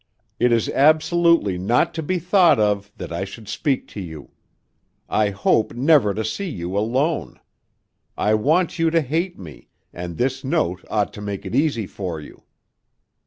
It is absolutely not to be thought of that I should speak to you. I hope never to see you alone. I want you to hate me and this note ought to make it easy for you.